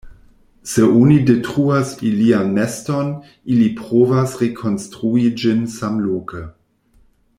Se oni detruas ilian neston, ili provas rekonstrui ĝin samloke.